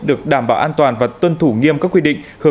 được đảm bảo an toàn và tuân thủ nghiêm các quy định